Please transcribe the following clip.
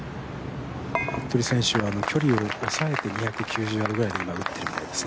服部選手は距離を抑えて２９０ヤードくらいで振ってるみたいです。